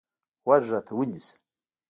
غوږ راته ونیسه.